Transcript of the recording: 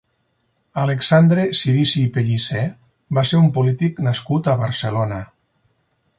Alexandre Cirici i Pellicer va ser un polític nascut a Barcelona.